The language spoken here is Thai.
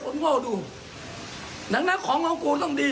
มึงอย่างรู้